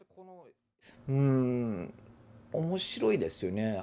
うん面白いですよね。